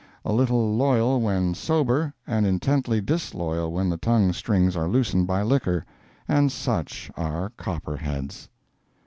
A little loyal when sober, and intensely disloyal when the tongue strings are loosened by liquor—and such are Copperheads.